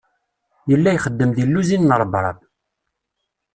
Yella ixeddem deg luzin n Rebrab.